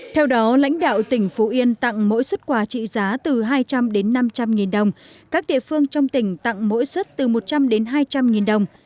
theo đó lãnh đạo tỉnh phú yên tặng mỗi xuất quà trị giá từ hai trăm linh đến năm trăm linh nghìn đồng các địa phương trong tỉnh tặng mỗi xuất từ một trăm linh đến hai trăm linh nghìn đồng